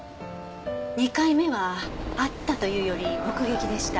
２回目は会ったというより目撃でした。